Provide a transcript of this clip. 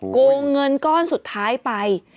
โกงเงินก้อนสุดท้ายไป